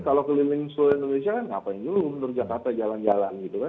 kalau keliling seluruh indonesia kan ngapain dulu menurut jakarta jalan jalan gitu kan